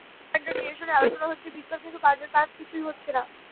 যানজট নিরসনে আলোচনা হচ্ছে বিস্তর, কিন্তু কাজের কাজ কিছুই হচ্ছে না।